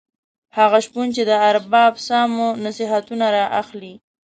هغه شپون چې د ارباب سامو نصیحتونه را اخلي.